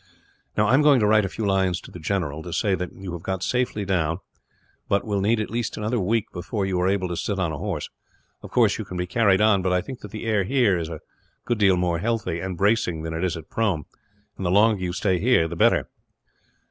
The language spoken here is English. "Now, I am going to write a few lines to the general to say that you have got safely down, but will need at least another week before you are able to sit on a horse. Of course, you can be carried on; but I think that the air here is a great deal more healthy, and bracing, than it is at Prome and, the longer you stay here, the better."